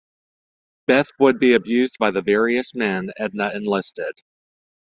Beth would be abused by the various men Edna enlisted.